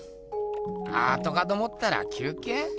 アートかと思ったら休けい？